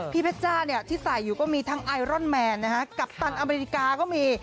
เพชรจ้าที่ใส่อยู่ก็มีทั้งไอรอนแมนนะฮะกัปตันอเมริกาก็มี